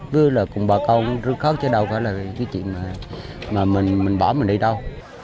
với là cùng bà con rước khó chở đầu là cái chuyện mà mình bỏ mình đi đâu